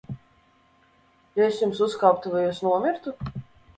Ja es jums uzkāptu, vai jūs nomirtu?